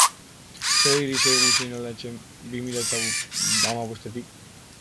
Zer ari zaigu seinalatzen bi mila eta hamabostetik?